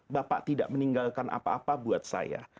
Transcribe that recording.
bapak tidak meninggalkan apa apa buat saya